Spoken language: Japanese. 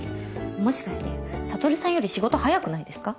もしかして悟さんより仕事早くないですか？